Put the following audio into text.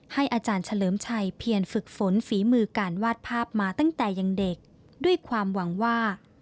อาจารย์เฉลิมชัยเพียรฝึกฝนฝีมือการวาดภาพมาตั้งแต่ยังเด็กด้วยความหวังว่า